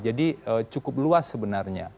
jadi cukup luas sebenarnya